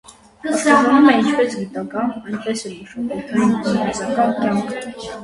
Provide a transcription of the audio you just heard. Աշխուժանում է ինչպես գիտական, այնպես էլ մշակութային ու մարզական կյանքը։